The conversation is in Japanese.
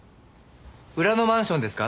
裏のマンションですか？